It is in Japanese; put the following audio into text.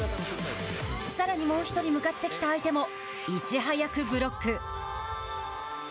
さらに、もう１人向かってきた相手もいち早くブロック。